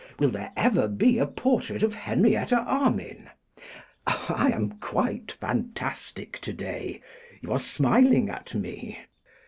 Will there ever be a portrait of Henrietta Armine? I am quite fantastic to day. You are smiling at me.